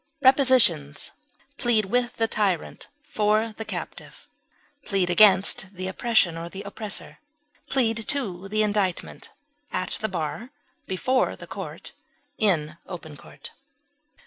Prepositions: Plead with the tyrant for the captive; plead against the oppression or the oppressor; plead to the indictment; at the bar; before the court; in open court.